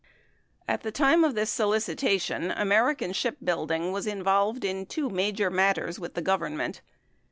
20 ® At the time of the solicitation, American Ship Building was in volved in two major matters with the Government.